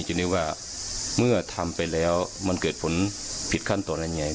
ทีนี้ว่าเมื่อทำไปแล้วมันเกิดผลผิดขั้นตอนอะไรยังไง